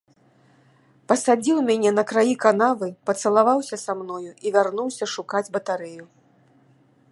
Пасадзіў мяне на краі канавы, пацалаваўся са мною і вярнуўся шукаць батарэю.